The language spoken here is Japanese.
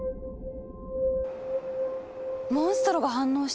モンストロが反応した！